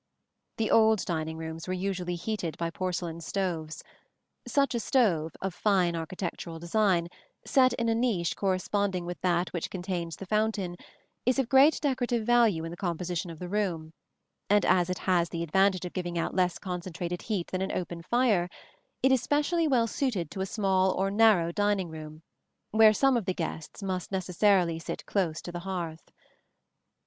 The old dining rooms were usually heated by porcelain stoves. Such a stove, of fine architectural design, set in a niche corresponding with that which contains the fountain, is of great decorative value in the composition of the room; and as it has the advantage of giving out less concentrated heat than an open fire, it is specially well suited to a small or narrow dining room, where some of the guests must necessarily sit close to the hearth.